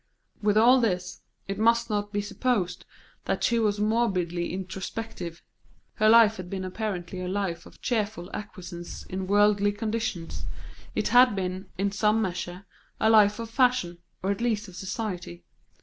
With all this, it must not be supposed that she was morbidly introspective. Her life had been apparently a life of cheerful acquiescence in worldly conditions; it had been, in some measure, a life of fashion, or at least of society.